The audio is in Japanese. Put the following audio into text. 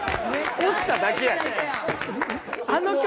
押しただけやん。